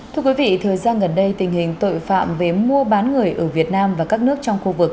thời gian gần đây tình hình tội phạm về mua bán người ở việt nam và các nước trong khu vực